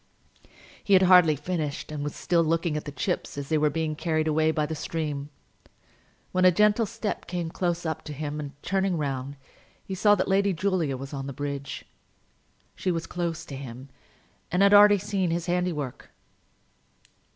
He had hardly finished, and was still looking at the chips as they were being carried away by the stream, when a gentle step came close up to him, and turning round, he saw that Lady Julia was on the bridge. She was close to him, and had already seen his handiwork.